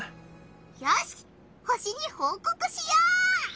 よし星にほうこくしよう！